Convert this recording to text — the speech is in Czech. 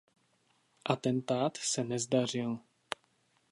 Atentát se nezdařil.